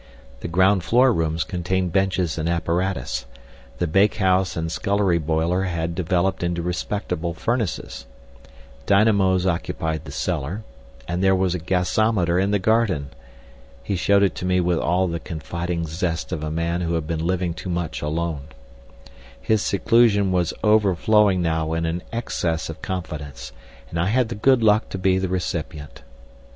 The ground floor rooms contained benches and apparatus, the bakehouse and scullery boiler had developed into respectable furnaces, dynamos occupied the cellar, and there was a gasometer in the garden. He showed it to me with all the confiding zest of a man who has been living too much alone. His seclusion was overflowing now in an excess of confidence, and I had the good luck to be the recipient.